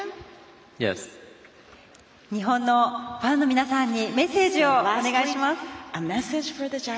日本のファンの皆さんにメッセージをお願いします。